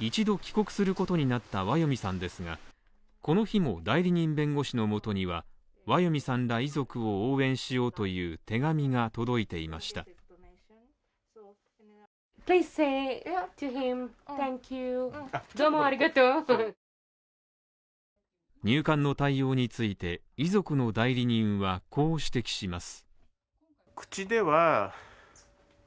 一度帰国することになったワヨミさんですがこの日も代理人弁護士のもとにはワヨミさんら遺族を応援しようという手紙が届いていました入管の対応について遺族の代理人はこう指摘します